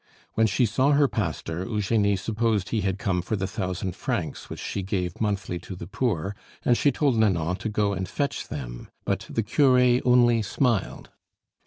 When she saw her pastor, Eugenie supposed he had come for the thousand francs which she gave monthly to the poor, and she told Nanon to go and fetch them; but the cure only smiled.